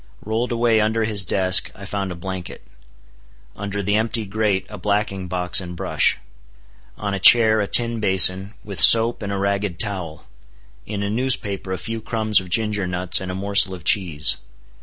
Rolled away under his desk, I found a blanket; under the empty grate, a blacking box and brush; on a chair, a tin basin, with soap and a ragged towel; in a newspaper a few crumbs of ginger nuts and a morsel of cheese.